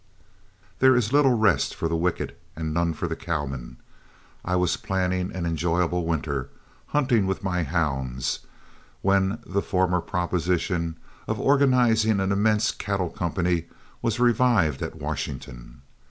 There is little rest for the wicked and none for a cowman. I was planning an enjoyable winter, hunting with my hounds, when the former proposition of organizing an immense cattle company was revived at Washington.